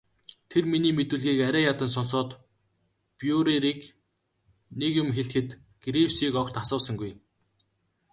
Тэр миний мэдүүлгийг арай ядан сонсоод Бруерыг нэг юм хэлэхэд Гривсыг огт асуусангүй.